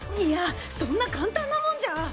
いやそんな簡単なもんじゃ。